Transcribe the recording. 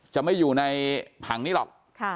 จะไม่อยู่ในผังนี้หรอก